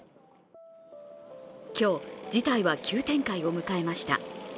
今日、事態は急展開を迎えました。